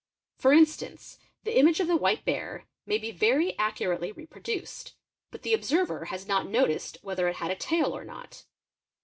_ For instance the image of the white bear may be very accurately repro 3 uced, but the observer has not noticed whether it had a tail or not.